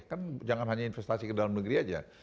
kan jangan hanya investasi ke dalam negeri aja